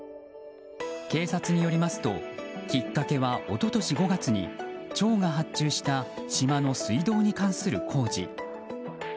警察によりますときっかけは一昨年５月に町が発注した島の水道に関する工事。